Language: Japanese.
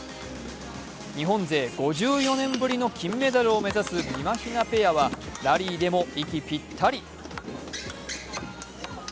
日本勢５４年ぶりの金メダルを目指すみまひなペアは、ラリーでも息ぴったり。